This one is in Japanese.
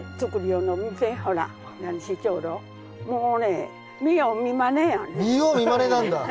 もうね見よう見まねなんだ。